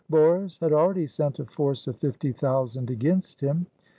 Boris had already sent a force of fifty thousand against him.